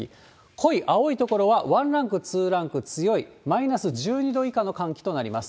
濃い青い所は、１ランク、２ランク強いマイナス１２度以下の寒気となります。